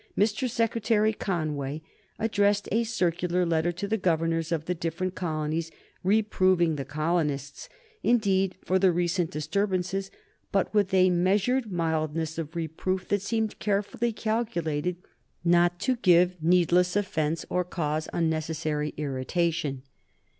Mr. Secretary Conway addressed a circular letter to the governors of the different colonies, reproving the colonists, indeed, for the recent disturbances, but with a measured mildness of reproof that seemed carefully calculated not to give needless offence or cause unnecessary irritation.